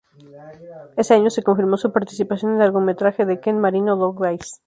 Ese año, se confirmó su participación en el largometraje de Ken Marino "Dog Days".